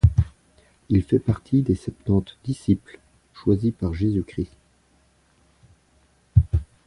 Il fait partie des Septante disciples choisis par Jésus-Christ.